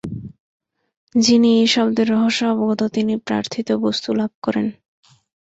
যিনি এই শব্দের রহস্য অবগত, তিনি প্রার্থিত বস্তু লাভ করেন।